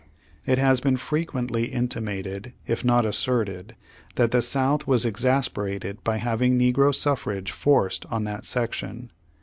It has been frequently intimated if not asserted that the South was exasperated by having negro suffrage forced on that section.